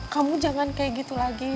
kamu jangan kayak gitu lagi